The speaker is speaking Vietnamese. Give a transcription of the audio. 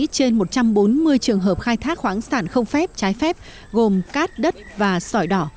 trên một trăm bốn mươi trường hợp khai thác khoáng sản không phép trái phép gồm cát đất và sỏi đỏ